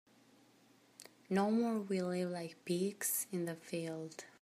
No more we live like pigs in the field.